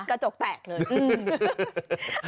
กระจกแตกเลย